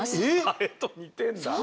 ハエと似てんだ。